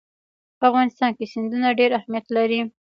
په افغانستان کې سیندونه ډېر اهمیت لري.